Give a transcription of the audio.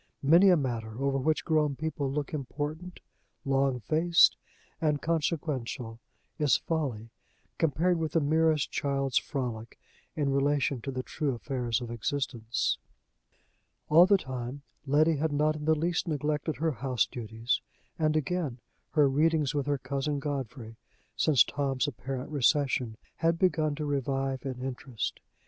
Many a matter, over which grown people look important, long faced, and consequential, is folly, compared with the merest child's frolic, in relation to the true affairs of existence. All the time, Letty had not in the least neglected her houseduties; and, again, her readings with her cousin Godfrey, since Tom's apparent recession, had begun to revive in interest.